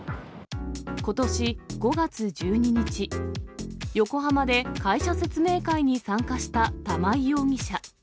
ことし５月１２日、横浜で会社説明会に参加した玉井容疑者。